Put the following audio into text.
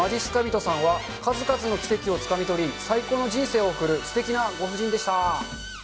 人さんは数々の奇跡をつかみ取り、最高の人生を送るすてきなご婦人でした。